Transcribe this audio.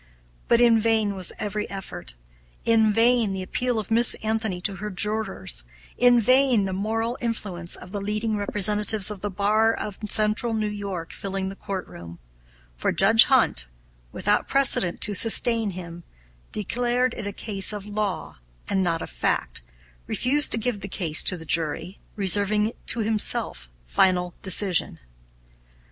But in vain was every effort; in vain the appeal of Miss Anthony to her jurors; in vain the moral influence of the leading representatives of the bar of Central New York filling the courtroom, for Judge Hunt, without precedent to sustain him, declaring it a case of law and not of fact, refused to give the case to the jury, reserving to himself final decision.